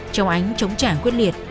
cháu ánh chống trả quyết liệt